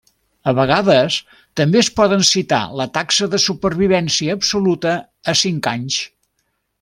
A vegades també es poden citar la taxa de supervivència absoluta a cinc anys.